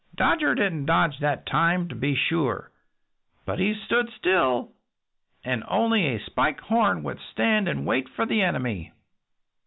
Dodger didn't dodge that time, to be sure. But he stood still. And only a Spike Horn would stand and wait for the enemy."